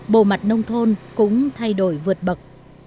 bộ mặt nông thôn cũng thay đổi vượt bậc